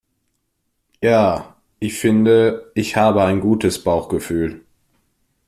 Ja, ich finde, ich habe ein gutes Bauchgefühl.